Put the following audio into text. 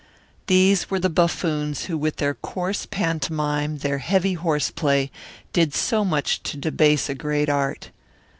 These were the buffoons who with their coarse pantomime, their heavy horse play, did so much to debase a great art.